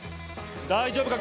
大丈夫か？